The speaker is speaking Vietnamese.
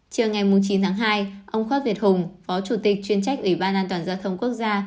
chiều ngày chín tháng hai ông khoát việt hùng phó chủ tịch chuyên trách ủy ban an toàn giao thông quốc gia